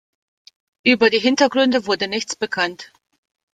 Über die Hintergründe wurde nichts bekannt.